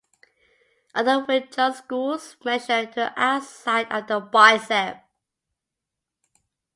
Other Wing Chun schools measure to the outside of the bicep.